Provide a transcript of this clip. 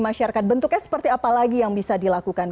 masyarakat bentuknya seperti apa lagi yang bisa dilakukan